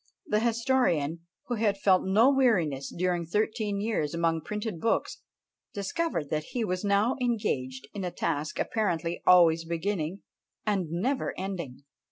The historian, who had felt no weariness during thirteen years among printed books, discovered that he was now engaged in a task apparently always beginning, and never ending!